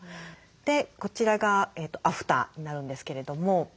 でこちらがアフターになるんですけれども。